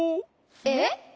えっ？